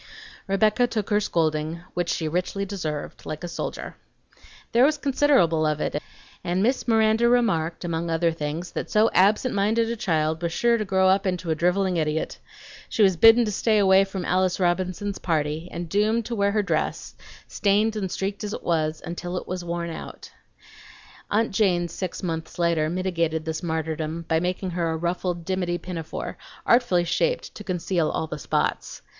Rebecca took her scolding (which she richly deserved) like a soldier. There was considerable of it, and Miss Miranda remarked, among other things, that so absent minded a child was sure to grow up into a driveling idiot. She was bidden to stay away from Alice Robinson's birthday party, and doomed to wear her dress, stained and streaked as it was, until it was worn out. Aunt Jane six months later mitigated this martyrdom by making her a ruffled dimity pinafore, artfully shaped to conceal all the spots.